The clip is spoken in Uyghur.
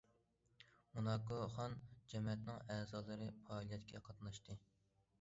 موناكو خان جەمەتىنىڭ ئەزالىرى پائالىيەتكە قاتناشتى.